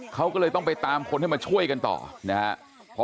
เขาก็เลยต้องไปตามคนให้มาช่วยกันต่อนะครับ